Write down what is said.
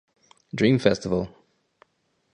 Dream Festival!